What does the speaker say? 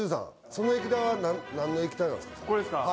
その液体は何の液体なんですかこれですか？